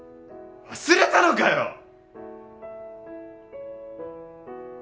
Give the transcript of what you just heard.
忘れたのかよ！？